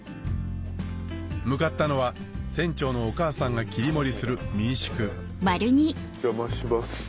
向かったのは船長のお母さんが切り盛りする民宿お邪魔します。